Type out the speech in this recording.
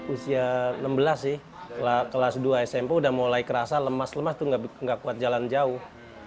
usia enam belas sih kelas dua smp udah mulai kerasa lemas lemas tuh gak kuat jalan jauh